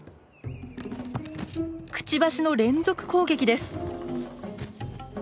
くちばしの連続攻撃です。